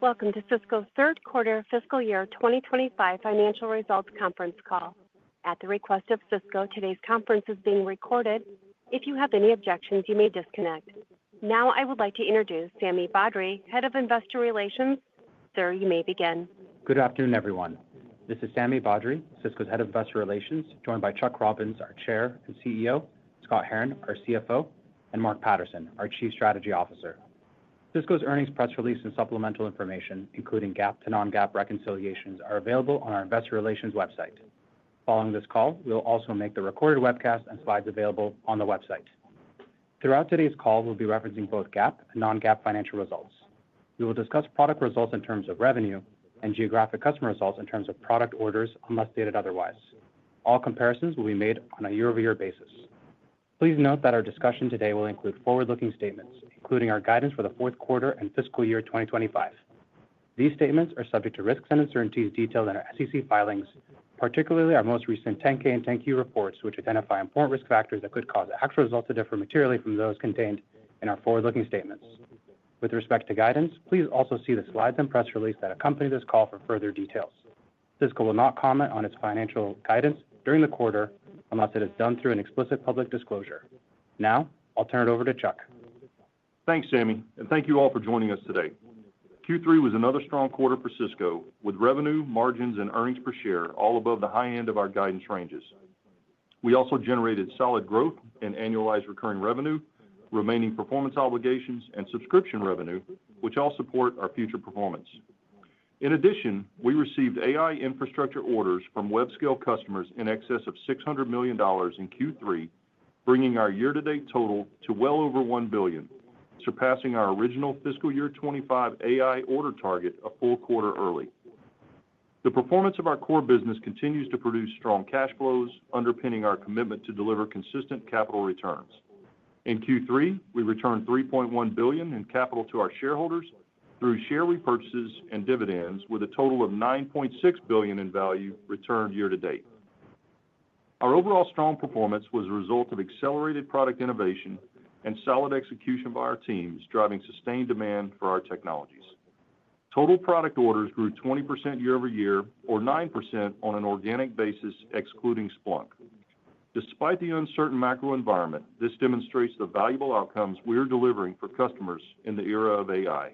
Welcome to Cisco's third quarter fiscal year 2025 financial results conference call. At the request of Cisco, today's conference is being recorded. If you have any objections, you may disconnect. Now, I would like to introduce Sami Badri, Head of Investor Relations. Sir, you may begin. Good afternoon, everyone. This is Sami Badri, Cisco's Head of Investor Relations, joined by Chuck Robbins, our Chair and CEO, Scott Herren, our CFO, and Mark Patterson, our Chief Strategy Officer. Cisco's earnings press release and supplemental information, including GAAP to non-GAAP reconciliations, are available on our Investor Relations website. Following this call, we will also make the recorded webcast and slides available on the website. Throughout today's call, we'll be referencing both GAAP and non-GAAP financial results. We will discuss product results in terms of revenue and geographic customer results in terms of product orders, unless stated otherwise. All comparisons will be made on a year-over-year basis. Please note that our discussion today will include forward-looking statements, including our guidance for the fourth quarter and fiscal year 2025. These statements are subject to risks and uncertainties detailed in our SEC filings, particularly our most recent 10-K and 10-Q reports, which identify important risk factors that could cause actual results to differ materially from those contained in our forward-looking statements. With respect to guidance, please also see the slides and press release that accompany this call for further details. Cisco will not comment on its financial guidance during the quarter unless it is done through an explicit public disclosure. Now, I'll turn it over to Chuck. Thanks, Sami, and thank you all for joining us today. Q3 was another strong quarter for Cisco, with revenue, margins, and earnings per share all above the high end of our guidance ranges. We also generated solid growth in annualized recurring revenue, remaining performance obligations, and subscription revenue, which all support our future performance. In addition, we received AI infrastructure orders from web-scale customers in excess of $600 million in Q3, bringing our year-to-date total to well over $1 billion, surpassing our original fiscal year 2025 AI order target a full quarter early. The performance of our core business continues to produce strong cash flows, underpinning our commitment to deliver consistent capital returns. In Q3, we returned $3.1 billion in capital to our shareholders through share repurchases and dividends, with a total of $9.6 billion in value returned year-to-date. Our overall strong performance was the result of accelerated product innovation and solid execution by our teams, driving sustained demand for our technologies. Total product orders grew 20% year-over-year, or 9% on an organic basis, excluding Splunk. Despite the uncertain macro environment, this demonstrates the valuable outcomes we are delivering for customers in the era of AI.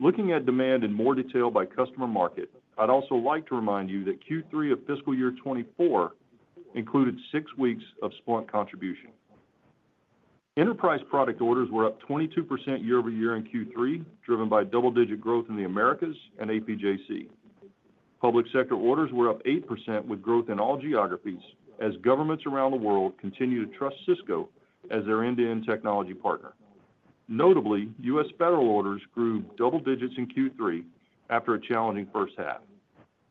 Looking at demand in more detail by customer market, I'd also like to remind you that Q3 of fiscal year 2024 included six weeks of Splunk contribution. Enterprise product orders were up 22% year-over-year in Q3, driven by double-digit growth in the Americas and APJC. Public sector orders were up 8% with growth in all geographies, as governments around the world continue to trust Cisco as their end-to-end technology partner. Notably, U.S. federal orders grew double digits in Q3 after a challenging first half.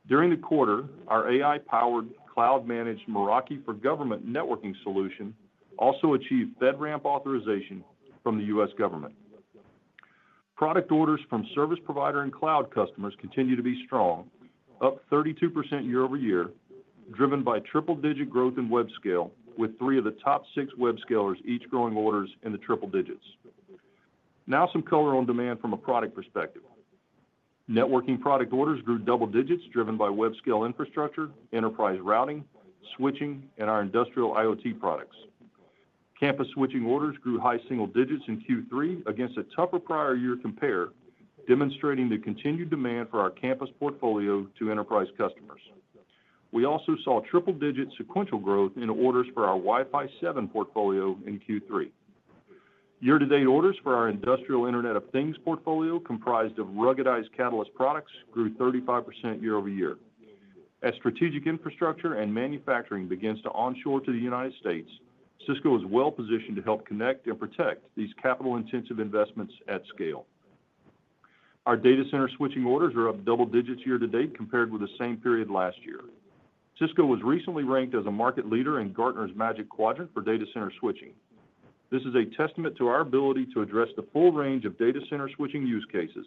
During the quarter, our AI-powered, cloud-managed Meraki for government networking solution also achieved FedRAMP authorization from the U.S. government. Product orders from service provider and cloud customers continue to be strong, up 32% year-over-year, driven by triple-digit growth web-scale, with three of the top web-scalers each growing orders in the triple digits. Now, some color on demand from a product perspective. Networking product orders grew double digits, driven web-scale infrastructure, enterprise routing, switching, and our industrial IoT products. Campus switching orders grew high single digits in Q3 against a tougher prior year compare, demonstrating the continued demand for our campus portfolio to enterprise customers. We also saw triple-digit sequential growth in orders for our Wi-Fi 7 portfolio in Q3. Year-to-date orders for our industrial Internet of Things portfolio, comprised of ruggedized Catalyst products, grew 35% year-over-year. As strategic infrastructure and manufacturing begins to onshore to the United States, Cisco is well positioned to help connect and protect these capital-intensive investments at scale. Our data center switching orders are up double digits year-to-date, compared with the same period last year. Cisco was recently ranked as a market leader in Gartner's Magic Quadrant for data center switching. This is a testament to our ability to address the full range of data center switching use cases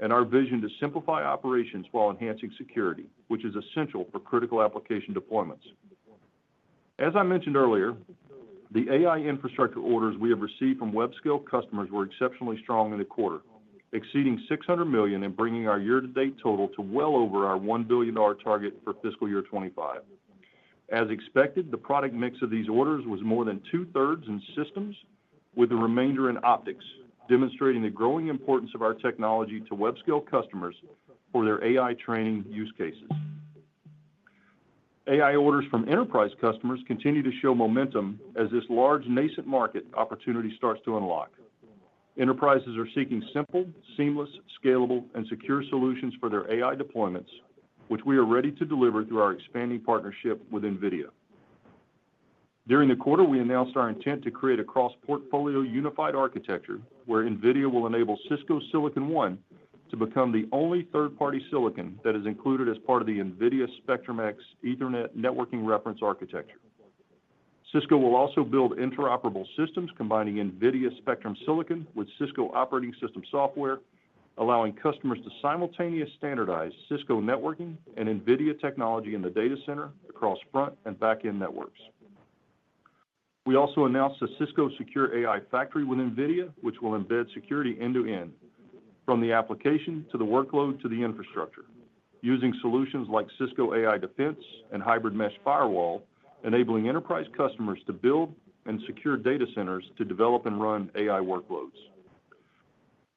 and our vision to simplify operations while enhancing security, which is essential for critical application deployments. As I mentioned earlier, the AI infrastructure orders we have received web-scale customers were exceptionally strong in the quarter, exceeding $600 million and bringing our year-to-date total to well over our $1 billion target for fiscal year 2025. As expected, the product mix of these orders was more than two-thirds in systems, with the remainder in optics, demonstrating the growing importance of our technology web-scale customers for their AI training use cases. AI orders from enterprise customers continue to show momentum as this large nascent market opportunity starts to unlock. Enterprises are seeking simple, seamless, scalable, and secure solutions for their AI deployments, which we are ready to deliver through our expanding partnership with NVIDIA. During the quarter, we announced our intent to create a cross-portfolio unified architecture where NVIDIA will enable Cisco Silicon One to become the only third-party silicon that is included as part of the NVIDIA Spectrum-X Ethernet Networking Reference Architecture. Cisco will also build interoperable systems combining NVIDIA Spectrum Silicon with Cisco operating system software, allowing customers to simultaneously standardize Cisco networking and NVIDIA technology in the data center across front and back-end networks. We also announced a Cisco Secure AI Factory with NVIDIA, which will embed security end-to-end, from the application to the workload to the infrastructure, using solutions like Cisco AI Defense and Hybrid Mesh Firewall, enabling enterprise customers to build and secure data centers to develop and run AI workloads.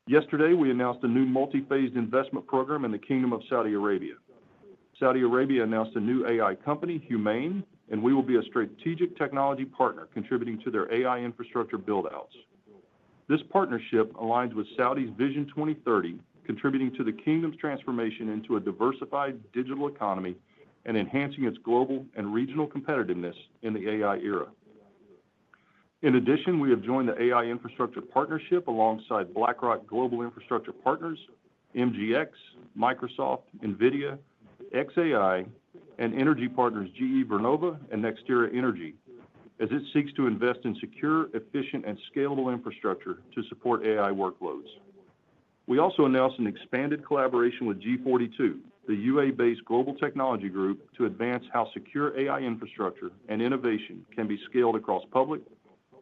Yesterday, we announced a new multi-phased investment program in the Kingdom of Saudi Arabia. Saudi Arabia announced a new AI company, HUMAIN, and we will be a strategic technology partner contributing to their AI infrastructure buildouts. This partnership aligns with Saudi's Vision 2030, contributing to the Kingdom's transformation into a diversified digital economy and enhancing its global and regional competitiveness in the AI era. In addition, we have joined the AI infrastructure partnership alongside BlackRock Global Infrastructure Partners, MGX, Microsoft, NVIDIA, xAI, and energy partners GE Vernova and NextEra Energy, as it seeks to invest in secure, efficient, and scalable infrastructure to support AI workloads. We also announced an expanded collaboration with G42, the UAE-based global technology group, to advance how secure AI infrastructure and innovation can be scaled across public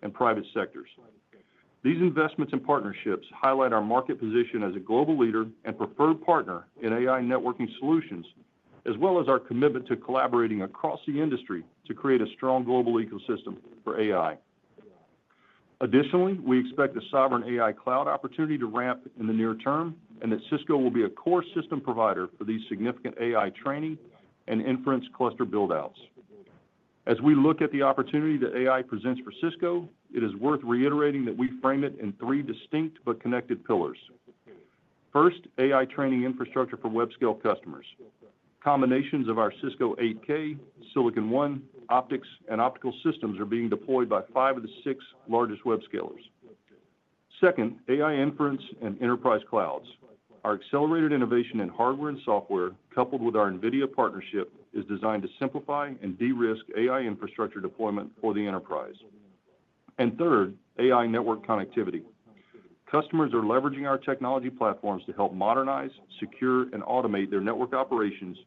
and private sectors. These investments and partnerships highlight our market position as a global leader and preferred partner in AI networking solutions, as well as our commitment to collaborating across the industry to create a strong global ecosystem for AI. Additionally, we expect a sovereign AI cloud opportunity to ramp in the near term and that Cisco will be a core system provider for these significant AI training and inference cluster buildouts. As we look at the opportunity that AI presents for Cisco, it is worth reiterating that we frame it in three distinct but connected pillars. First, AI training infrastructure web-scale customers. Combinations of our Cisco 8000, Silicon One, Optics, and Optical systems are being deployed by five of the six web-scalers. second, AI inference and enterprise clouds. Our accelerated innovation in hardware and software, coupled with our NVIDIA partnership, is designed to simplify and de-risk AI infrastructure deployment for the enterprise. Third, AI network connectivity. Customers are leveraging our technology platforms to help modernize, secure, and automate their network operations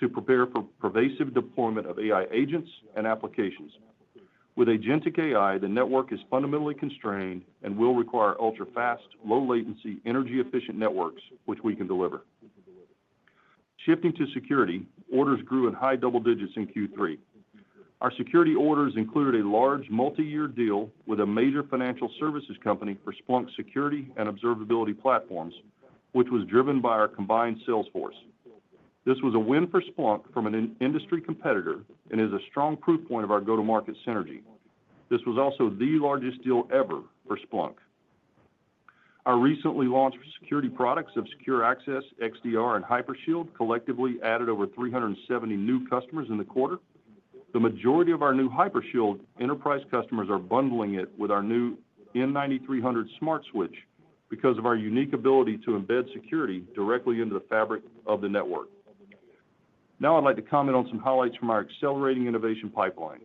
to prepare for pervasive deployment of AI agents and applications. With Agentic AI, the network is fundamentally constrained and will require ultra-fast, low-latency, energy-efficient networks, which we can deliver. Shifting to security, orders grew in high double digits in Q3. Our security orders included a large multi-year deal with a major financial services company for Splunk's security and observability platforms, which was driven by our combined sales force. This was a win for Splunk from an industry competitor and is a strong proof point of our go-to-market synergy. This was also the largest deal ever for Splunk. Our recently launched security products of Secure Access, XDR, and Hypershield collectively added over 370 new customers in the quarter. The majority of our new Hypershield enterprise customers are bundling it with our new N9300 Smart Switch because of our unique ability to embed security directly into the fabric of the network. Now, I'd like to comment on some highlights from our accelerating innovation pipeline.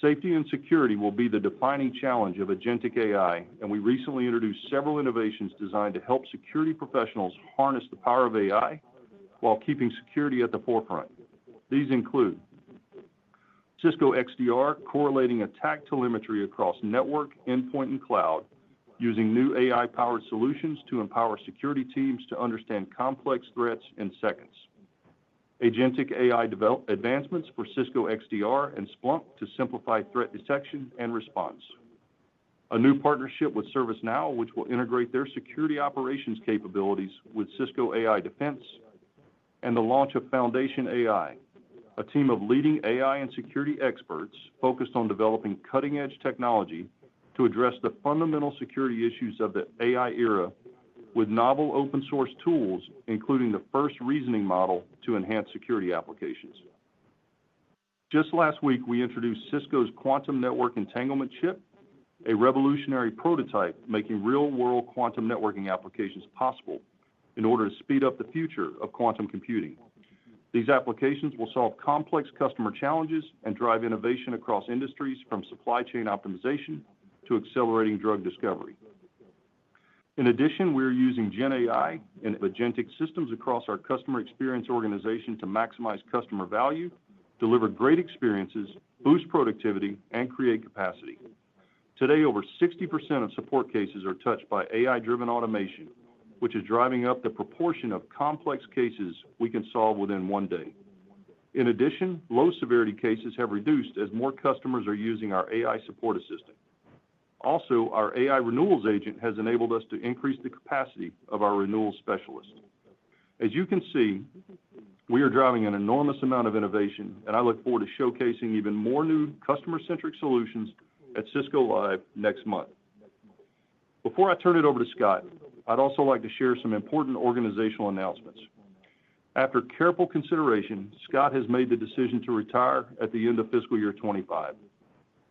Safety and security will be the defining challenge of Agentic AI, and we recently introduced several innovations designed to help security professionals harness the power of AI while keeping security at the forefront. These include Cisco XDR correlating attack telemetry across network, endpoint, and cloud, using new AI-powered solutions to empower security teams to understand complex threats in seconds. Agentic AI advancements for Cisco XDR and Splunk to simplify threat detection and response. A new partnership with ServiceNow, which will integrate their security operations capabilities with Cisco AI Defense, and the launch of Foundation AI, a team of leading AI and security experts focused on developing cutting-edge technology to address the fundamental security issues of the AI era with novel open-source tools, including the first reasoning model to enhance security applications. Just last week, we introduced Cisco's Quantum Network Entanglement Chip, a revolutionary prototype making real-world quantum networking applications possible in order to speed up the future of quantum computing. These applications will solve complex customer challenges and drive innovation across industries, from supply chain optimization to accelerating drug discovery. In addition, we are using GenAI and Agentic systems across our customer experience organization to maximize customer value, deliver great experiences, boost productivity, and create capacity. Today, over 60% of support cases are touched by AI-driven automation, which is driving up the proportion of complex cases we can solve within one day. In addition, low-severity cases have reduced as more customers are using our AI support assistant. Also, our AI renewals agent has enabled us to increase the capacity of our renewals specialist. As you can see, we are driving an enormous amount of innovation, and I look forward to showcasing even more new customer-centric solutions at Cisco Live next month. Before I turn it over to Scott, I'd also like to share some important organizational announcements. After careful consideration, Scott has made the decision to retire at the end of fiscal year 2025.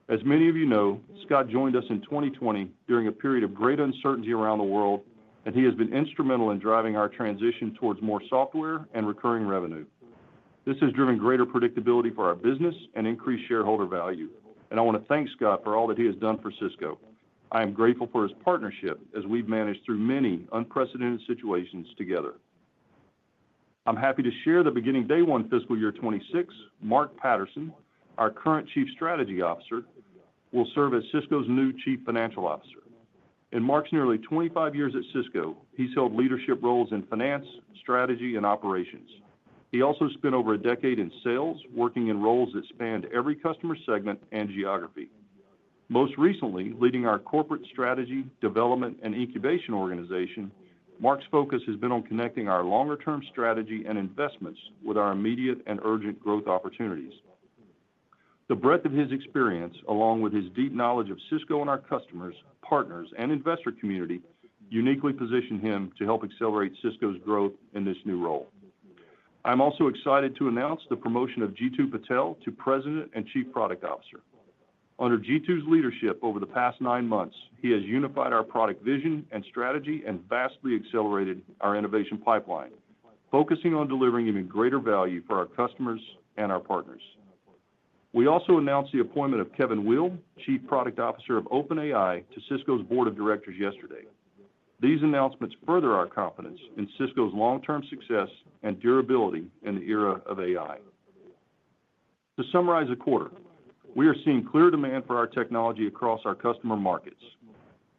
As many of you know, Scott joined us in 2020 during a period of great uncertainty around the world, and he has been instrumental in driving our transition towards more software and recurring revenue. This has driven greater predictability for our business and increased shareholder value, and I want to thank Scott for all that he has done for Cisco. I am grateful for his partnership as we've managed through many unprecedented situations together. I'm happy to share that beginning day one fiscal year 2026, Mark Patterson, our current Chief Strategy Officer, will serve as Cisco's new Chief Financial Officer. In Mark's nearly 25 years at Cisco, he's held leadership roles in finance, strategy, and operations. He also spent over a decade in sales, working in roles that spanned every customer segment and geography. Most recently, leading our corporate strategy, development, and incubation organization, Mark's focus has been on connecting our longer-term strategy and investments with our immediate and urgent growth opportunities. The breadth of his experience, along with his deep knowledge of Cisco and our customers, partners, and investor community, uniquely positioned him to help accelerate Cisco's growth in this new role. I'm also excited to announce the promotion of Jeetu Patel to President and Chief Product Officer. Under Jeetu's leadership over the past nine months, he has unified our product vision and strategy and vastly accelerated our innovation pipeline, focusing on delivering even greater value for our customers and our partners. We also announced the appointment of Kevin Weil, Chief Product Officer of OpenAI, to Cisco's board of directors yesterday. These announcements further our confidence in Cisco's long-term success and durability in the era of AI. To summarize the quarter, we are seeing clear demand for our technology across our customer markets.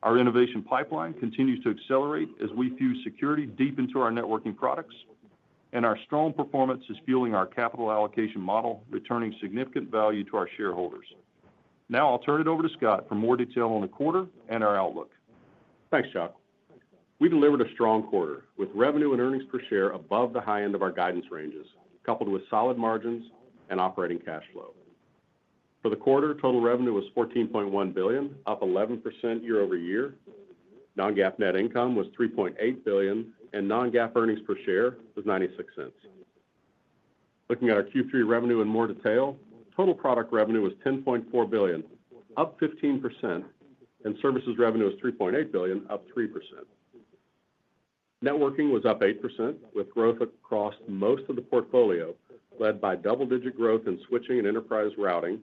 Our innovation pipeline continues to accelerate as we fuse security deep into our networking products, and our strong performance is fueling our capital allocation model, returning significant value to our shareholders. Now, I'll turn it over to Scott for more detail on the quarter and our outlook. Thanks, Chuck. We delivered a strong quarter with revenue and earnings per share above the high end of our guidance ranges, coupled with solid margins and operating cash flow. For the quarter, total revenue was $14.1 billion, up 11% year-over-year. Non-GAAP net income was $3.8 billion, and non-GAAP earnings per share was $0.96. Looking at our Q3 revenue in more detail, total product revenue was $10.4 billion, up 15%, and services revenue was $3.8 billion, up 3%. Networking was up 8%, with growth across most of the portfolio led by double-digit growth in switching and enterprise routing,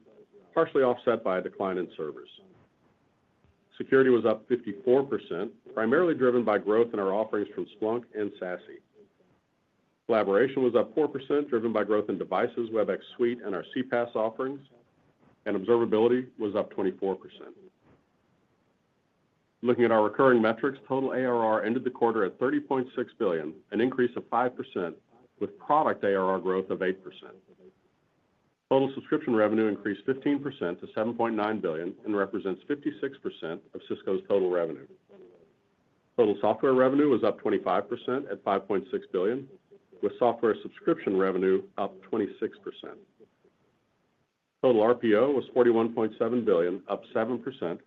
partially offset by a decline in servers. Security was up 54%, primarily driven by growth in our offerings from Splunk and SASE. Collaboration was up 4%, driven by growth in devices, Webex Suite, and our CPaaS offerings, and observability was up 24%. Looking at our recurring metrics, total ARR ended the quarter at $30.6 billion, an increase of 5%, with product ARR growth of 8%. Total subscription revenue increased 15% to $7.9 billion and represents 56% of Cisco's total revenue. Total software revenue was up 25% at $5.6 billion, with software subscription revenue up 26%. Total RPO was $41.7 billion, up 7%.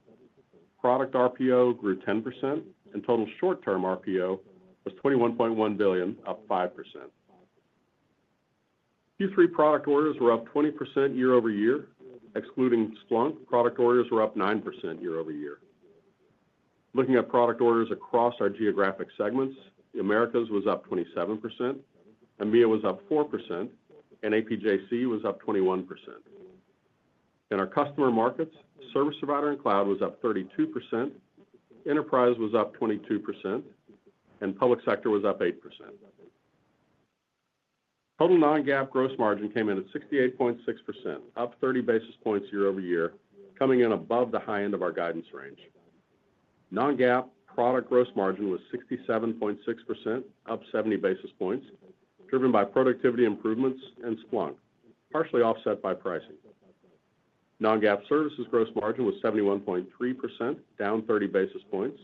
Product RPO grew 10%, and total short-term RPO was $21.1 billion, up 5%. Q3 product orders were up 20% year-over-year. Excluding Splunk, product orders were up 9% year-over-year. Looking at product orders across our geographic segments, the Americas was up 27%, EMEA was up 4%, and APJC was up 21%. In our customer markets, service provider and cloud was up 32%, enterprise was up 22%, and public sector was up 8%. Total non-GAAP gross margin came in at 68.6%, up 30 basis points year-over-year, coming in above the high end of our guidance range. Non-GAAP product gross margin was 67.6%, up 70 basis points, driven by productivity improvements and Splunk, partially offset by pricing. Non-GAAP services gross margin was 71.3%, down 30 basis points.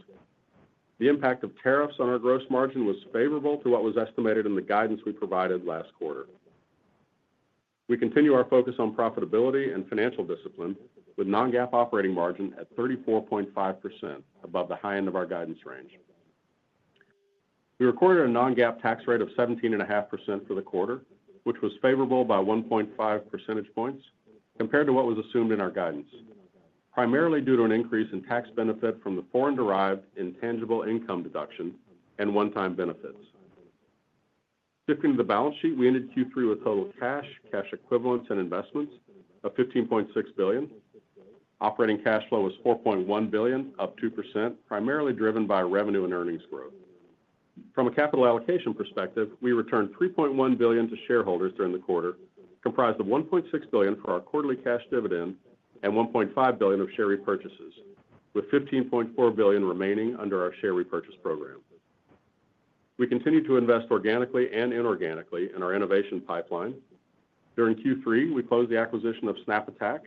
The impact of tariffs on our gross margin was favorable to what was estimated in the guidance we provided last quarter. We continue our focus on profitability and financial discipline, with non-GAAP operating margin at 34.5%, above the high end of our guidance range. We recorded a non-GAAP tax rate of 17.5% for the quarter, which was favorable by 1.5 percentage points compared to what was assumed in our guidance, primarily due to an increase in tax benefit from the foreign-derived intangible income deduction and one-time benefits. Shifting to the balance sheet, we ended Q3 with total cash, cash equivalents, and investments of $15.6 billion. Operating cash flow was $4.1 billion, up 2%, primarily driven by revenue and earnings growth. From a capital allocation perspective, we returned $3.1 billion to shareholders during the quarter, comprised of $1.6 billion for our quarterly cash dividend and $1.5 billion of share repurchases, with $15.4 billion remaining under our share repurchase program. We continue to invest organically and inorganically in our innovation pipeline. During Q3, we closed the acquisition of SnapAttack,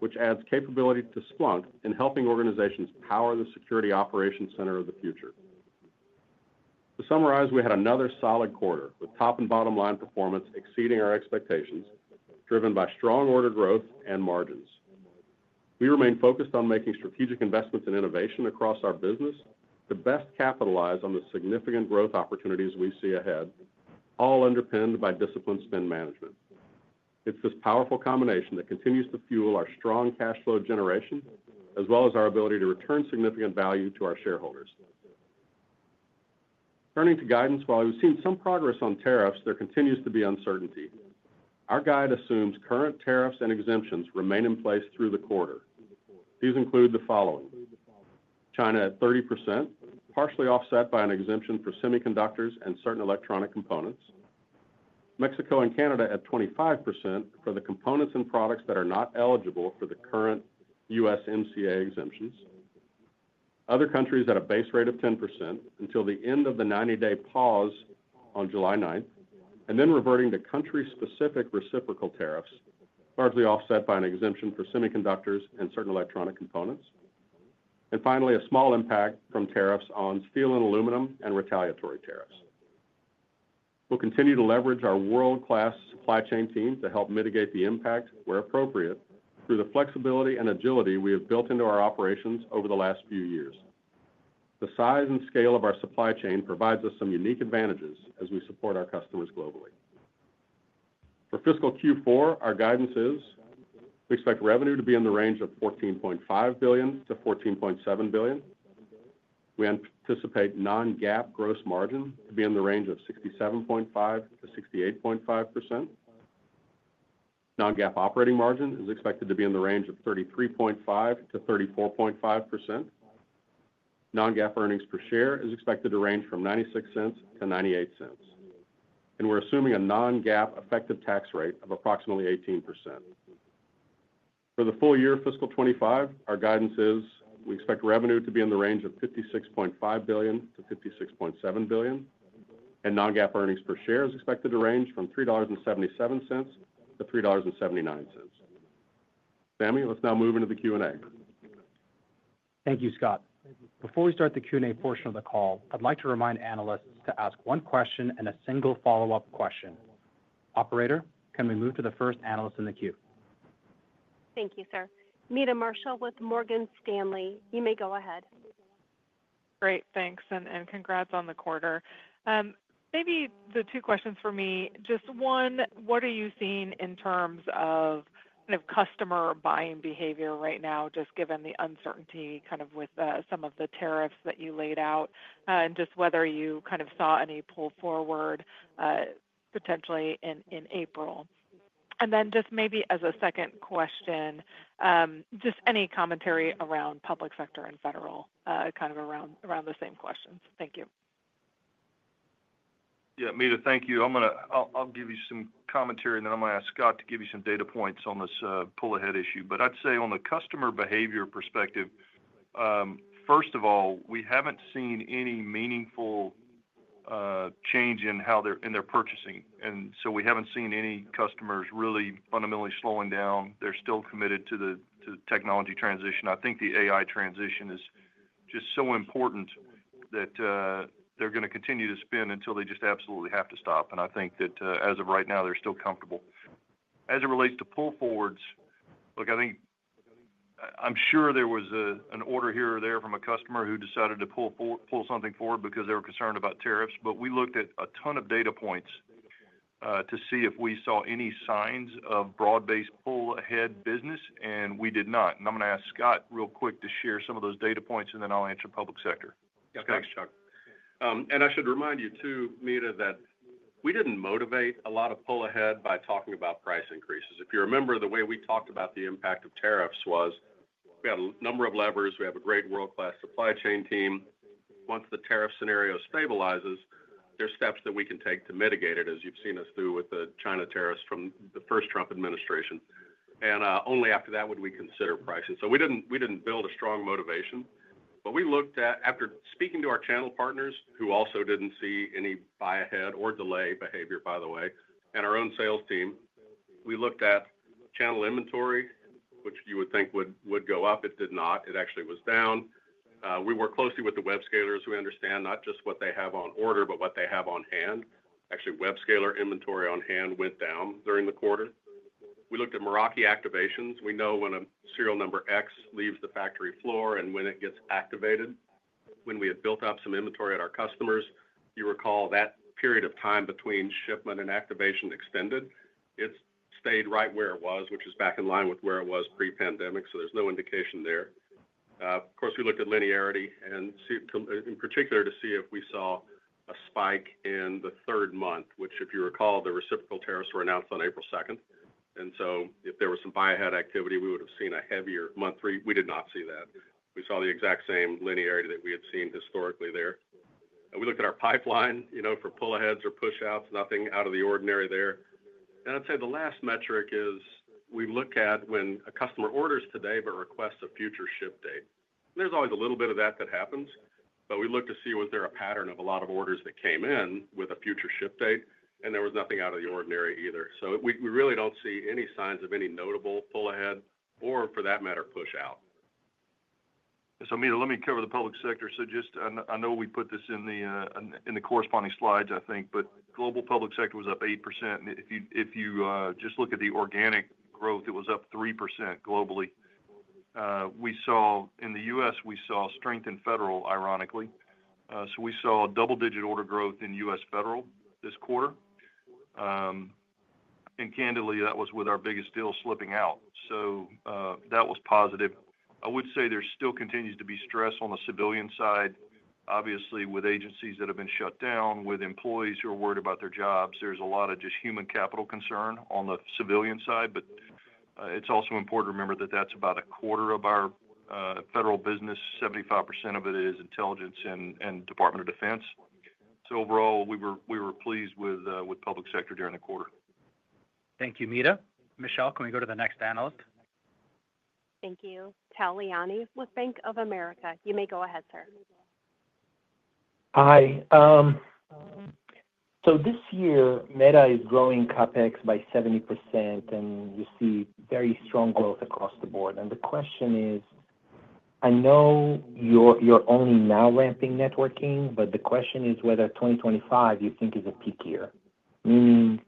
which adds capability to Splunk in helping organizations power the security operations center of the future. To summarize, we had another solid quarter, with top and bottom line performance exceeding our expectations, driven by strong order growth and margins. We remain focused on making strategic investments in innovation across our business to best capitalize on the significant growth opportunities we see ahead, all underpinned by disciplined spend management. It's this powerful combination that continues to fuel our strong cash flow generation, as well as our ability to return significant value to our shareholders. Turning to guidance, while we've seen some progress on tariffs, there continues to be uncertainty. Our guide assumes current tariffs and exemptions remain in place through the quarter. These include the following: China at 30%, partially offset by an exemption for semiconductors and certain electronic components; Mexico and Canada at 25% for the components and products that are not eligible for the current USMCA exemptions; other countries at a base rate of 10% until the end of the 90-day pause on July 9th; and then reverting to country-specific reciprocal tariffs, largely offset by an exemption for semiconductors and certain electronic components; and finally, a small impact from tariffs on steel and aluminum and retaliatory tariffs. We'll continue to leverage our world-class supply chain team to help mitigate the impact, where appropriate, through the flexibility and agility we have built into our operations over the last few years. The size and scale of our supply chain provides us some unique advantages as we support our customers globally. For fiscal Q4, our guidance is we expect revenue to be in the range of $14.5 billion-$14.7 billion. We anticipate non-GAAP gross margin to be in the range of 67.5%-68.5%. Non-GAAP operating margin is expected to be in the range of 33.5%-34.5%. Non-GAAP earnings per share is expected to range from $0.96-$0.98, and we're assuming a non-GAAP effective tax rate of approximately 18%. For the full year fiscal 2025, our guidance is we expect revenue to be in the range of $56.5 billion-$56.7 billion, and non-GAAP earnings per share is expected to range from $3.77-$3.79. Sami, let's now move into the Q&A. Thank you, Scott. Before we start the Q&A portion of the call, I'd like to remind analysts to ask one question and a single follow-up question. Operator, can we move to the first analyst in the queue? Thank you, sir. Meta Marshall with Morgan Stanley. You may go ahead. Great. Thanks, and congrats on the quarter. Maybe the two questions for me. Just one, what are you seeing in terms of kind of customer buying behavior right now, just given the uncertainty kind of with some of the tariffs that you laid out, and just whether you kind of saw any pull forward potentially in April? And then just maybe as a second question, just any commentary around public sector and federal kind of around the same questions? Thank you. Yeah, Meta, thank you. I'll give you some commentary, and then I'm going to ask Scott to give you some data points on this pull ahead issue. I'd say on the customer behavior perspective, first of all, we haven't seen any meaningful change in their purchasing. We haven't seen any customers really fundamentally slowing down. They're still committed to the technology transition. I think the AI transition is just so important that they're going to continue to spend until they just absolutely have to stop. I think that as of right now, they're still comfortable. As it relates to pull forwards, look, I'm sure there was an order here or there from a customer who decided to pull something forward because they were concerned about tariffs. We looked at a ton of data points to see if we saw any signs of broad-based pull ahead business, and we did not. I'm going to ask Scott real quick to share some of those data points, and then I'll answer public sector. Thanks, Chuck. I should remind you too, Meta, that we did not motivate a lot of pull ahead by talking about price increases. If you remember the way we talked about the impact of tariffs was we had a number of levers. We have a great world-class supply chain team. Once the tariff scenario stabilizes, there are steps that we can take to mitigate it, as you have seen us do with the China tariffs from the first Trump administration. Only after that would we consider pricing. We did not build a strong motivation. We looked at, after speaking to our channel partners, who also did not see any buy ahead or delay behavior, by the way, and our own sales team, we looked at channel inventory, which you would think would go up. It did not. It actually was down. We work closely with the web-scalers. We understand not just what they have on order, but what they have on hand. Actually, web-scaler inventory on hand went down during the quarter. We looked at Meraki activations. We know when a serial number X leaves the factory floor and when it gets activated. When we had built up some inventory at our customers, you recall that period of time between shipment and activation extended. It stayed right where it was, which is back in line with where it was pre-pandemic, so there's no indication there. Of course, we looked at linearity and in particular to see if we saw a spike in the third month, which, if you recall, the reciprocal tariffs were announced on April 2nd. If there was some buy ahead activity, we would have seen a heavier month three. We did not see that. We saw the exact same linearity that we had seen historically there. We looked at our pipeline for pull aheads or push outs. Nothing out of the ordinary there. I'd say the last metric is we look at when a customer orders today but requests a future ship date. There's always a little bit of that that happens, but we looked to see was there a pattern of a lot of orders that came in with a future ship date, and there was nothing out of the ordinary either. We really do not see any signs of any notable pull ahead or, for that matter, push out. Meta, let me cover the public sector. I know we put this in the corresponding slides, I think, but global public sector was up 8%. If you just look at the organic growth, it was up 3% globally. In the U.S., we saw strength in federal, ironically. We saw double-digit order growth in U.S. federal this quarter. Candidly, that was with our biggest deal slipping out. That was positive. I would say there still continues to be stress on the civilian side, obviously, with agencies that have been shut down, with employees who are worried about their jobs. There is a lot of just human capital concern on the civilian side, but it is also important to remember that that is about a quarter of our federal business. 75% of it is intelligence and Department of Defense. Overall, we were pleased with public sector during the quarter. Thank you, Meta. Michelle, can we go to the next analyst? Thank you. Tal Liani with Bank of America. You may go ahead, sir. Hi. This year, Meta is growing CapEx by 70%, and you see very strong growth across the board. The question is, I know you're only now ramping networking, but the question is whether 2025 you think is a peak year, meaning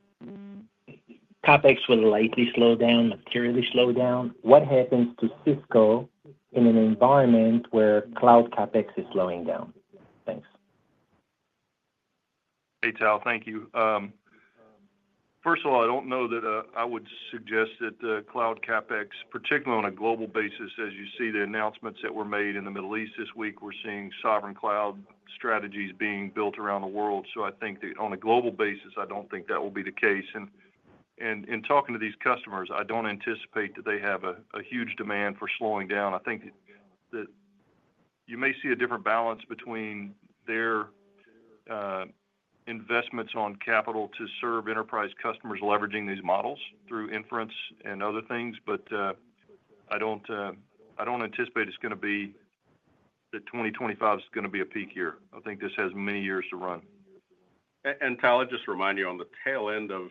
CapEx will likely slow down, materially slow down. What happens to Cisco in an environment where cloud CapEx is slowing down? Thanks. Hey, Tal, thank you. First of all, I don't know that I would suggest that cloud CapEx, particularly on a global basis, as you see the announcements that were made in the Middle East this week, we're seeing sovereign cloud strategies being built around the world. I think that on a global basis, I don't think that will be the case. In talking to these customers, I don't anticipate that they have a huge demand for slowing down. I think that you may see a different balance between their investments on capital to serve enterprise customers leveraging these models through inference and other things, but I do not anticipate it is going to be that 2025 is going to be a peak year. I think this has many years to run. Tal, I just remind you on the tail end of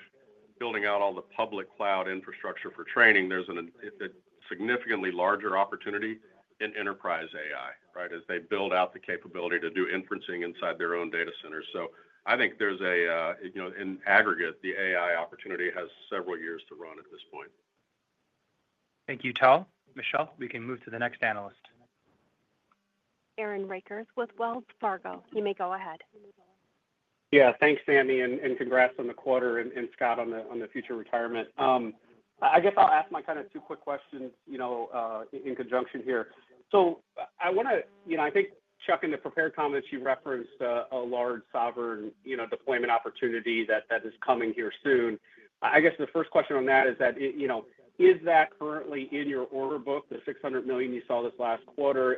building out all the public cloud infrastructure for training, there is a significantly larger opportunity in enterprise AI, right, as they build out the capability to do inferencing inside their own data centers. I think there is an aggregate. The AI opportunity has several years to run at this point. Thank you, Tal. Michelle, we can move to the next analyst. Aaron Rakers with Wells Fargo. You may go ahead. Yeah, thanks, Sami, and congrats on the quarter and Scott on the future retirement. I guess I'll ask my kind of two quick questions in conjunction here. I want to, I think, Chuck, in the prepared comments, you referenced a large sovereign deployment opportunity that is coming here soon. I guess the first question on that is, is that currently in your order book, the $600 million you saw this last quarter?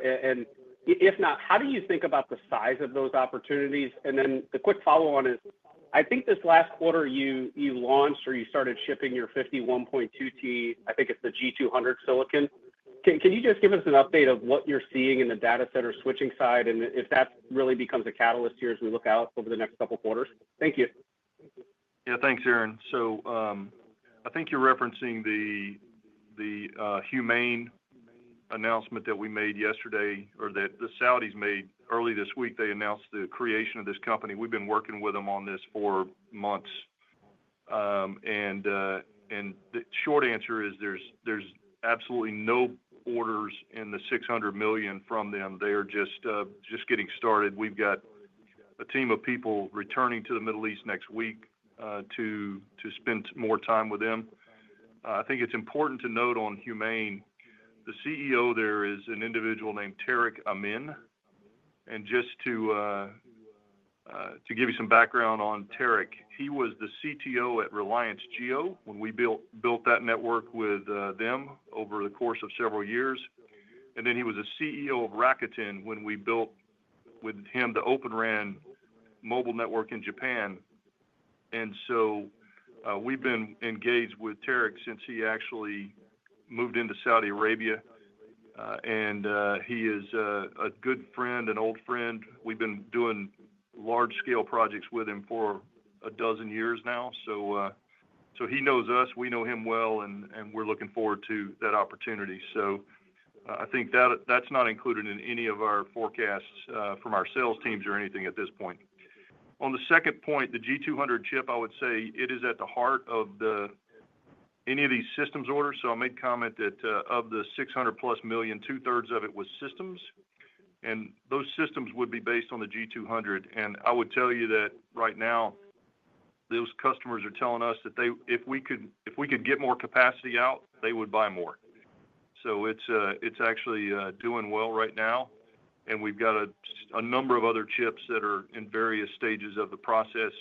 If not, how do you think about the size of those opportunities? The quick follow-on is, I think this last quarter you launched or you started shipping your 51.2T, I think it's the G200 silicon. Can you just give us an update of what you're seeing in the data center switching side and if that really becomes a Catalyst here as we look out over the next couple of quarters? Thank you. Yeah, thanks, Aaron. I think you're referencing the HUMAIN announcement that we made yesterday or that the Saudis made early this week. They announced the creation of this company. We've been working with them on this for months. The short answer is there's absolutely no orders in the $600 million from them. They are just getting started. We've got a team of people returning to the Middle East next week to spend more time with them. I think it's important to note on HUMAIN, the CEO there is an individual named Tareq Amin. Just to give you some background on Tareq, he was the CTO at Reliance Jio when we built that network with them over the course of several years. He was also CEO of Rakuten when we built with him the Open RAN mobile network in Japan. We have been engaged with Tareq since he actually moved into Saudi Arabia. He is a good friend, an old friend. We have been doing large-scale projects with him for a dozen years now. He knows us. We know him well, and we are looking forward to that opportunity. I think that is not included in any of our forecasts from our sales teams or anything at this point. On the second point, the G200 chip, I would say it is at the heart of any of these systems orders. I made comment that of the $600 million+, 2/3 of it was systems. Those systems would be based on the G200. I would tell you that right now, those customers are telling us that if we could get more capacity out, they would buy more. It is actually doing well right now. We've got a number of other chips that are in various stages of the process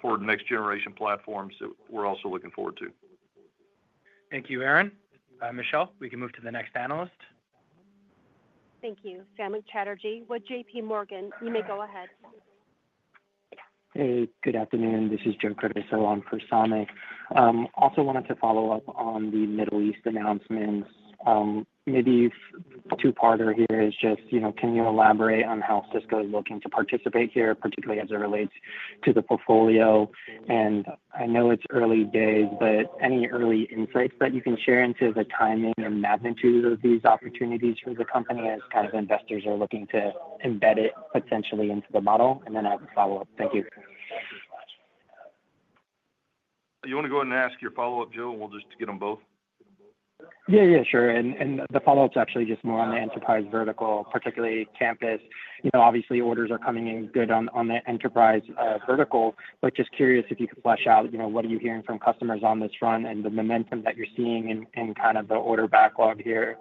for next-generation platforms that we're also looking forward to. Thank you, Aaron. Michelle, we can move to the next analyst. Thank you. Samik Chatterjee with JPMorgan. You may go ahead. Hey, good afternoon. This is [Joe Curtis] on for Samik. I also wanted to follow up on the Middle East announcements. Maybe two-parter here is just, can you elaborate on how Cisco is looking to participate here, particularly as it relates to the portfolio? I know it's early days, but any early insights that you can share into the timing or magnitude of these opportunities for the company as kind of investors are looking to embed it potentially into the model? I have a follow-up. Thank you. You want to go ahead and ask your follow-up, Joe, and we'll just get them both? Yeah, yeah, sure. And the follow-up's actually just more on the enterprise vertical, particularly campus. Obviously, orders are coming in good on the enterprise vertical, but just curious if you could flesh out what are you hearing from customers on this front and the momentum that you're seeing in kind of the order/backlog here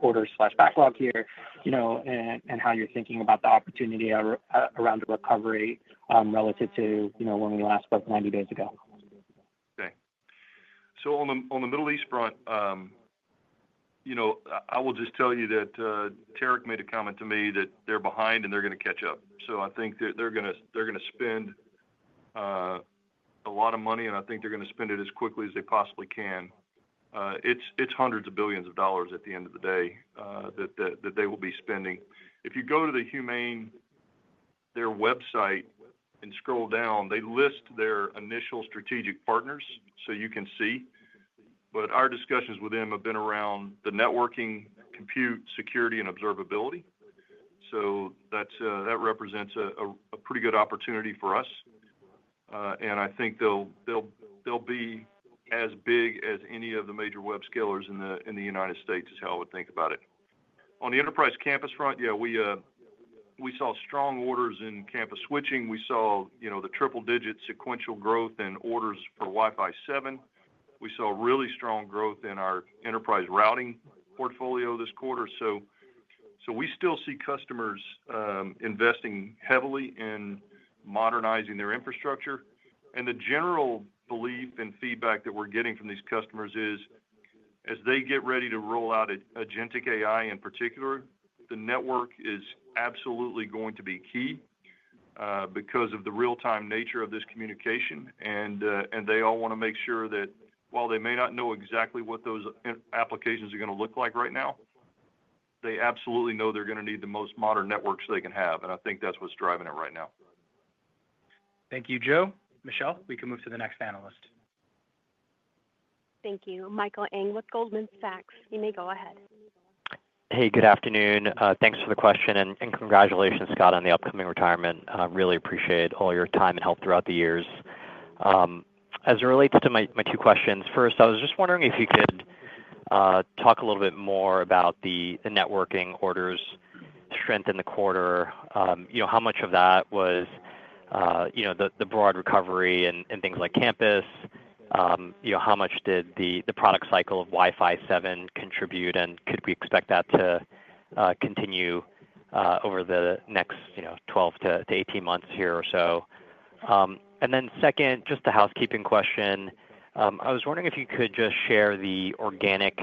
and how you're thinking about the opportunity around the recovery relative to when we last spoke 90 days ago. Okay. On the Middle East front, I will just tell you that Tareq made a comment to me that they're behind and they're going to catch up. I think they're going to spend a lot of money, and I think they're going to spend it as quickly as they possibly can. It's hundreds of billions of dollars at the end of the day that they will be spending. If you go to their website and scroll down, they list their initial strategic partners so you can see. Our discussions with them have been around the networking, compute, security, and observability. That represents a pretty good opportunity for us. I think they'll be as big as any of the major web-scalers in the United States is how I would think about it. On the enterprise campus front, yeah, we saw strong orders in campus switching. We saw the triple-digit sequential growth in orders for Wi-Fi 7. We saw really strong growth in our enterprise routing portfolio this quarter. We still see customers investing heavily in modernizing their infrastructure. The general belief and feedback that we're getting from these customers is, as they get ready to roll out agentic AI in particular, the network is absolutely going to be key because of the real-time nature of this communication. They all want to make sure that while they may not know exactly what those applications are going to look like right now, they absolutely know they're going to need the most modern networks they can have. I think that's what's driving it right now. Thank you, Joe. Michelle, we can move to the next analyst. Thank you. Michael Ng with Goldman Sachs. You may go ahead. Hey, good afternoon. Thanks for the question and congratulations, Scott, on the upcoming retirement. Really appreciate all your time and help throughout the years. As it relates to my two questions, first, I was just wondering if you could talk a little bit more about the networking orders strength in the quarter. How much of that was the broad recovery and things like campus? How much did the product cycle of Wi-Fi 7 contribute? Could we expect that to continue over the next 12 to 18 months here or so? Second, just the housekeeping question. I was wondering if you could just share the organic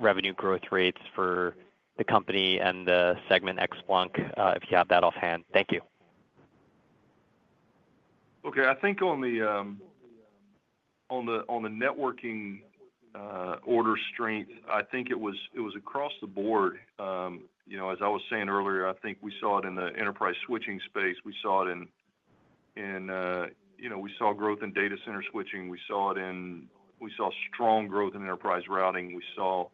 revenue growth rates for the company and the segment Splunk if you have that offhand. Thank you. Okay. I think on the networking order strength, I think it was across the board. As I was saying earlier, I think we saw it in the enterprise switching space. We saw it in, we saw growth in data center switching. We saw strong growth in enterprise routing. We saw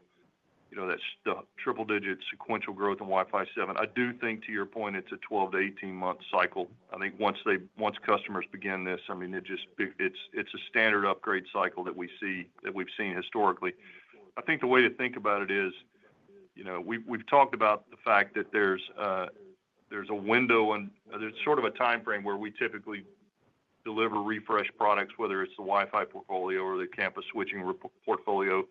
that triple-digit sequential growth in Wi-Fi 7. I do think, to your point, it's a 12 to 18-month cycle. I think once customers begin this, I mean, it's a standard upgrade cycle that we've seen historically. I think the way to think about it is we've talked about the fact that there's a window and there's sort of a time frame where we typically deliver refresh products, whether it's the Wi-Fi portfolio or the campus switching portfolio.